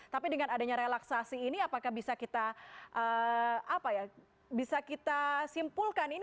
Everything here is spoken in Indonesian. tapi dengan adanya relaksasi ini apakah bisa kita simpulkan ini